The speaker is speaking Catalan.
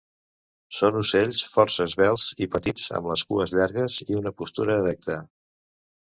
Són ocells força esvelts i petits amb les cues llargues i una postura erecta.